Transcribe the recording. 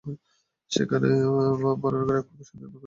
সেখানে রামের বানরগণ এক প্রকাণ্ড সেতু নির্মাণ করিল।